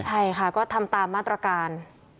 ใช่ค่ะก็ทำตามมาตรการ